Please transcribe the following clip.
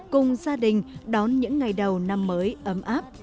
cùng gia đình đón những ngày đầu năm mới ấm áp